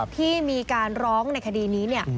ที่มีการร้องในคดีนี้เนี่ย